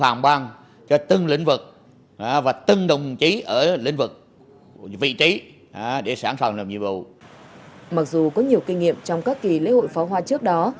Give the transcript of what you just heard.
mặc dù có nhiều kinh nghiệm trong các kỳ lễ hội pháo hoa trước đó